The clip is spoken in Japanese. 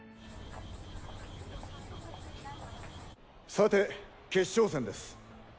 さて決勝戦です。